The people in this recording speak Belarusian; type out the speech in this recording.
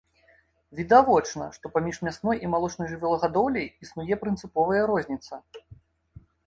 Відавочна, што паміж мясной і малочнай жывёлагадоўляй існуе прынцыповая розніца.